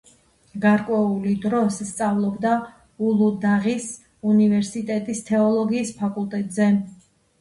გარკვეული დრო სწავლობდა ულუდაღის უნივერსიტეტის თეოლოგიის ფაკულტეტზე.